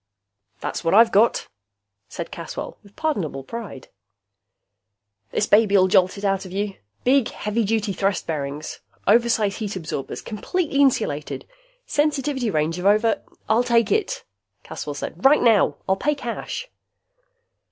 "That's what I've got," said Caswell, with pardonable pride. "This baby'll jolt it out of you. Big, heavy duty thrust bearings! Oversize heat absorbers! Completely insulated! Sensitivity range of over " "I'll take it," Caswell said. "Right now. I'll pay cash."